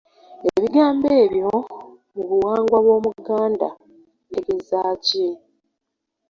Ebigambo ebyo mu buwangwa bw’Omuganda bitegeeza ki?